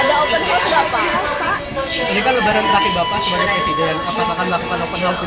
ada rencana apa pak